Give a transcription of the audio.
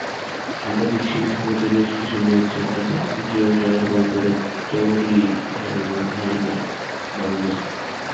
সাম্প্রতিক সিরিজগুলোতে বেশ কিছু ম্যাচে কাছাকাছি গিয়েও জয়ের বন্দরে তরি ভেড়ানো হয়নি বাংলাদেশের।